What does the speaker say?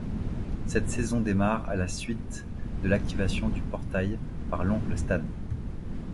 Cette saison démarre à la suite de l'activation du portail par l'Oncle Stan.